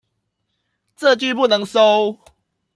這句不能收